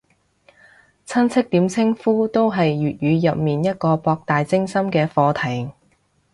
親戚點稱呼都係粵語入面一個博大精深嘅課題